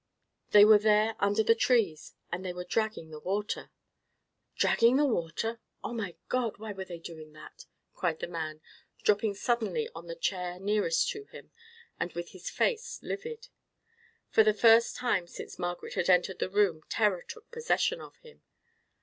They were there under the trees, and they were dragging the water." "Dragging the water! Oh, my God, why were they doing that?" cried the man, dropping suddenly on the chair nearest to him, and with his face livid. For the first time since Margaret had entered the room terror took possession of him.